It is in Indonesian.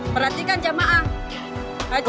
perhatikan jemaah haji